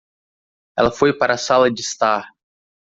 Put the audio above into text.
Ela foi para a sala de estar